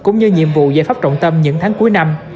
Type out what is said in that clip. nhiệm vụ giải pháp trọng tâm những tháng cuối năm